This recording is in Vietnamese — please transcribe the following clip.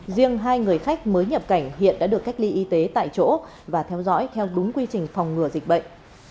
riêng hai người khách mới nhập cảnh hiện đã được cách ly y tế tại chỗ và theo dõi theo đúng quy trình phòng ngừa dịch bệnh